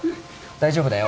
大丈夫だよ